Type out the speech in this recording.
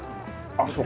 あっそう。